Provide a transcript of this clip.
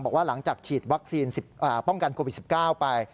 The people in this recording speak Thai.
บอกว่าหลังจากฉีดวัคซีนป้องกันโควิด๑๙ไป